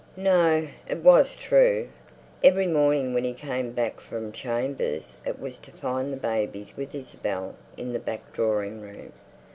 No, it was true. Every morning when he came back from chambers it was to find the babies with Isabel in the back drawing room.